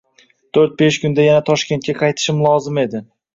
To’rt-besh kunda yana Toshkentga qaytishim lozim edi.